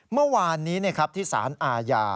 เมื่อวานนี้ที่สารอาญา